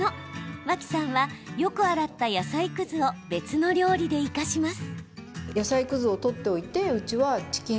脇さんは、よく洗った野菜くずを別の料理で生かします。